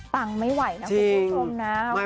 ตังค์ไม่ไหวนะคุณผู้ชมนะ